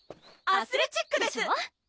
アスレチックでしょ？